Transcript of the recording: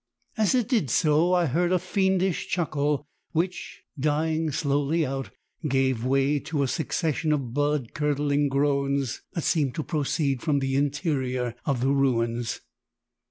As it did so I heard a fiendish chuckle, which, dying slowly out, gave way to a succession of blood curdling groans that seemed to proceed from the interior of the ruins.